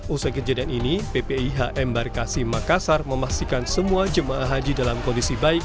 usai kejadian ini ppih embarkasi makassar memastikan semua jemaah haji dalam kondisi baik